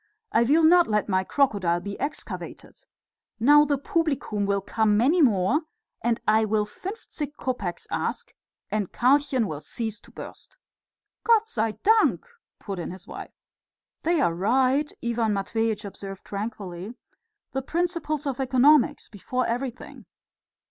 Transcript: "I will not let my crocodile be excavated. Now the publicum will come many more, and I will fünfzig kopecks ask and Karlchen will cease to burst." "Gott sei dank!" put in his wife. "They are right," Ivan Matveitch observed tranquilly; "the principles of economics before everything."